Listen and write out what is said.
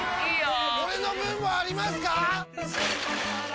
俺の分もありますか！？